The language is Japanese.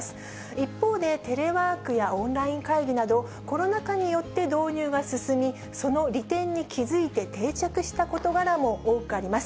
一方でテレワークやオンライン会議など、コロナ禍によって導入が進み、その利点に気付いて、定着した事柄も多くあります。